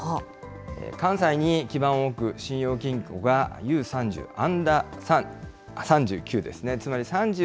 関西に基盤を置く信用金庫がＵー３９、アンダー３９ですね。